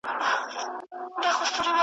پیر مغان له ریاکاره سره نه جوړیږي .